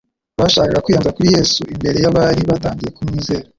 bashakaga kwiyenza kuri Yesu imbere y'abari batangiye kumwizera.